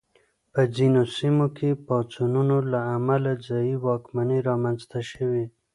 په ځینو سیمو کې پاڅونونو له امله ځايي واکمنۍ رامنځته شوې.